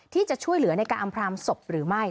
ที่จะช่วยเหลือในการอำพรางศพหรือไม่